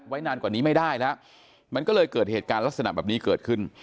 ไว้นานกว่านี้ไม่ได้แล้วมันก็เลยเกิดเหตุการณ์ลักษณะแบบนี้เกิดขึ้น